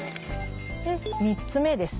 ３つ目です。